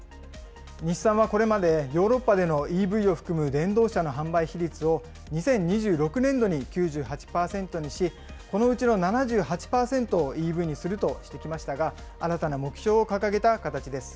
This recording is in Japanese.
日産はこれまでヨーロッパでのＥＶを含む電動車の販売比率を２０２６年度に９８％にし、このうちの７８％をＥＶにするとしてきましたが、新たな目標を掲げた形です。